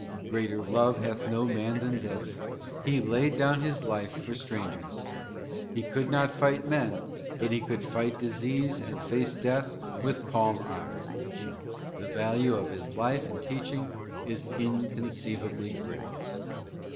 Greater love hath no man than this: he laid down his life for strangers. He could not fight men, but he could fight disease 4: ADDRESSER and face death with calm eyes. The value of this life and teaching is inconceivably great.